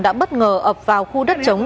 đã bất ngờ ập vào khu đất chống